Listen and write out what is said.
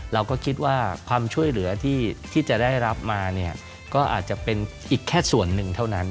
เราก็คิดว่าความช่วยเหลือที่จะได้รับมาเนี่ยก็อาจจะเป็นอีกแค่ส่วนหนึ่งเท่านั้น